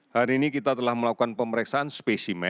hari ini kita telah melakukan pemeriksaan spesimen